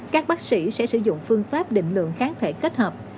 các bác sĩ sẽ sử dụng phương pháp định lượng kháng thể kết hợp